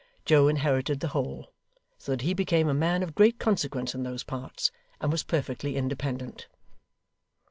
Joe inherited the whole; so that he became a man of great consequence in those parts, and was perfectly independent.